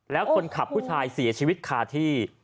แล้วคนขับผู้ชายเสียชีวิตคาที่